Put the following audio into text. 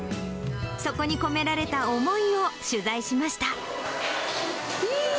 そこに込められた思いを取材しました。